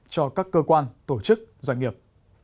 cho các cơ quan tổ chức doanh nghiệp